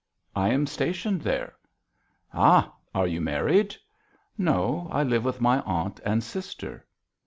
"I am stationed there." "Ha! Are you married?" "No. I live with my aunt and sister."